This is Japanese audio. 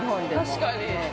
◆確かに。